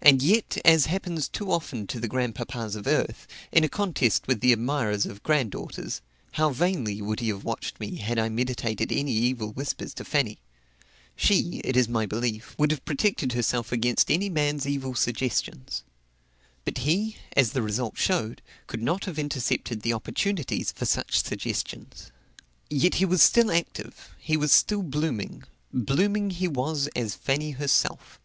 And yet, as happens too often to the grandpapas of earth, in a contest with the admirers of granddaughters, how vainly would he have watched me had I meditated any evil whispers to Fanny! She, it is my belief, would have protected herself against any man's evil suggestions. But he, as the result showed, could not have intercepted the opportunities for such suggestions. Yet he was still active; he was still blooming. Blooming he was as Fanny herself.